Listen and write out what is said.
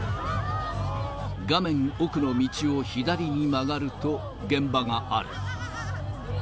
画面奥の道を左に曲がると、現場がある。